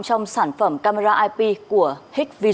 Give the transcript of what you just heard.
trong sản phẩm camera ip của hikvision